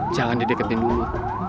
jangan dideketin dulu